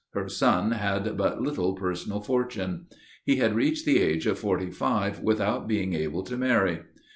Her son had but little personal fortune. He had reached the age of forty five without being able to marry.